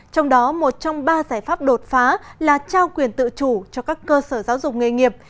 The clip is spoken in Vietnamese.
trong đó một trong ba giải pháp đột phá là trao quyền tự chủ cho các cơ sở giáo dục nghề nghiệp